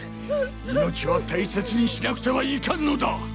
命は大切にしなくてはいかんのだ。